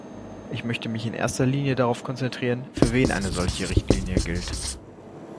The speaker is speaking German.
Ich möchte mich in erster Linie darauf konzentrieren, für wen eine solche Richtlinie gilt.